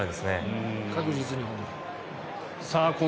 確実にホームラン。